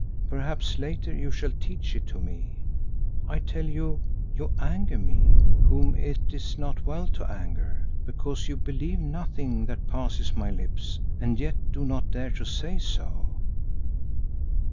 Perhaps later you shall teach it to me. I tell you, you anger me whom it is not well to anger, because you believe nothing that passes my lips and yet do not dare to say so."